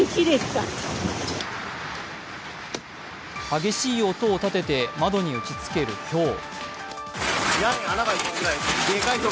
激しい音を立てて窓に打ちつけるひょう。